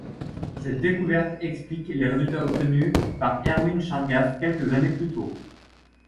Cette découverte explique les résultats obtenus par Erwin Chargaff quelques années plus tôt.